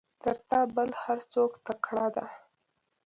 تر تا بل هر څوک تکړه ده.